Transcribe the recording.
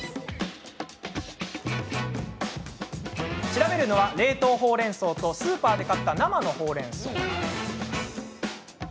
調べるのは、冷凍ほうれんそうとスーパーで買った生のほうれんそう。